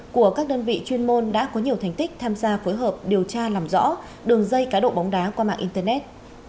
của các đơn vị chuyên môn đã có nhiều thành tích tham gia phối hợp điều tra làm rõ đường dây cá độ bóng đá qua mạng internet